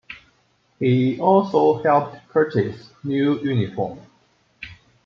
He also helped purchase new uniforms.